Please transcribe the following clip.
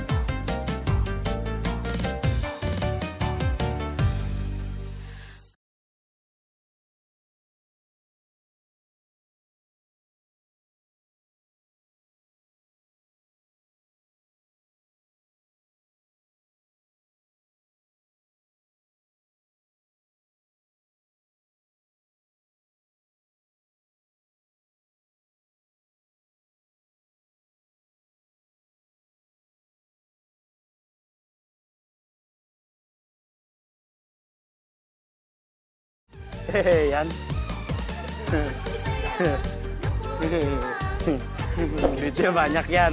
dicanya banyak jan